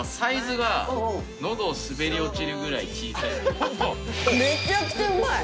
めちゃくちゃうまい！